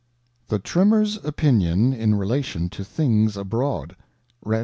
"■^"^ The Trimmer's Opinion in Relation to things abroad.